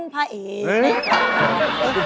เพราะเป็นพระเอก